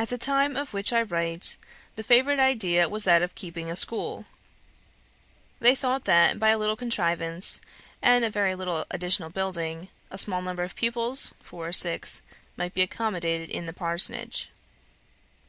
At the time of which I write, the favourite idea was that of keeping a school. They thought that, by a little contrivance, and a very little additional building, a small number of pupils, four or six, might be accommodated in the parsonage.